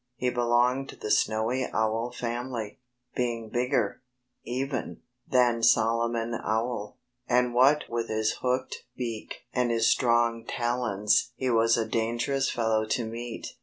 He belonged to the Snowy Owl family, being bigger, even, than Solomon Owl. And what with his hooked beak and his strong talons he was a dangerous fellow to meet.